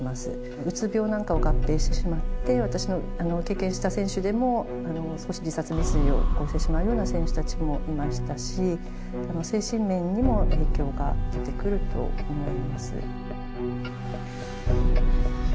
うつ病なんかを合併してしまって、私の経験した選手でも、少し自殺未遂を起こしてしまうような選手たちもいましたし、精神面にも影響が出てくると思います。